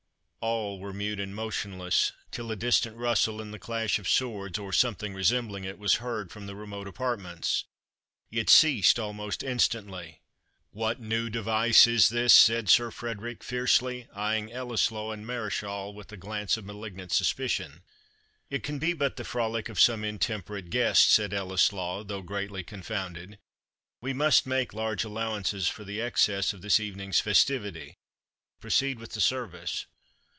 All were mute and motionless, till a distant rustle, and the clash of swords, or something resembling it, was heard from the remote apartments. It ceased almost instantly. "What new device is this?" said Sir Frederick, fiercely, eyeing Ellieslaw and Mareschal with a glance of malignant suspicion. "It can be but the frolic of some intemperate guest," said Ellieslaw, though greatly confounded; "we must make large allowances for the excess of this evening's festivity. Proceed with the service."